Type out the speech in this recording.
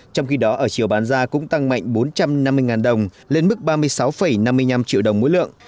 trong khi đó ở chiều bán ra cũng tăng mạnh bốn trăm năm mươi đồng lên mức ba mươi sáu năm mươi năm triệu đồng mỗi lượng